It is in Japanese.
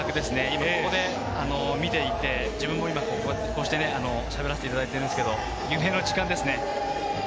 今ここで見ていて、自分も今ここでこうして、しゃべらせていただいていますが夢の時間です。